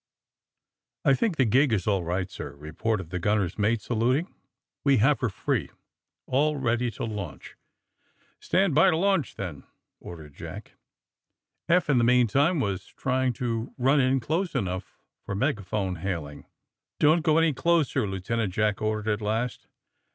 '^ u "J" THINK the gig is all right, sir," reported I the gunner's mate, saluting. ^*We have her free, already to launch." '^ Stand by to launch, then," ordered Jack. Eph, in the meantime, was trying to run in close enough for megaphone hailing. *^ Don't go any closer," Lieutenant Jack or dered, at last.